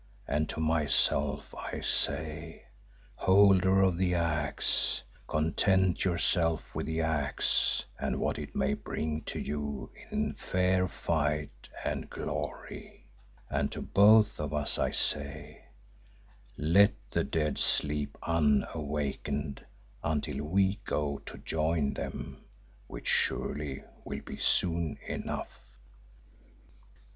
And to myself I say, 'Holder of the Axe, content yourself with the axe and what it may bring to you in fair fight and glory'; and to both of us I say, 'Let the Dead sleep unawakened until we go to join them, which surely will be soon enough.